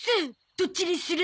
どっちにする？